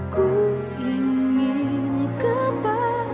aku ingin kepastian